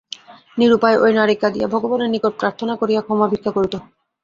নিরুপায় ঐ নারী কাঁদিয়া, ভগবানের নিকট প্রার্থনা করিয়া ক্ষমা ভিক্ষা করিত।